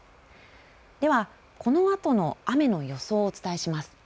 では、このあとの雨の予想をお伝えします。